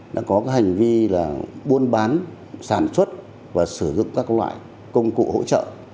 đã có hành vi là buôn bán sản xuất và sử dụng các loại công cụ hỗ trợ